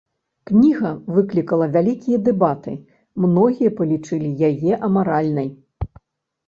Кніга выклікала вялікія дэбаты, многія палічылі яе амаральнай.